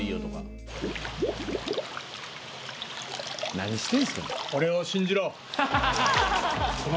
何してんすか。